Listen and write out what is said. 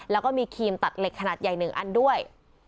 แล้วก็มีครีมตัดเหล็กขนาดใหญ่๑อันด้วย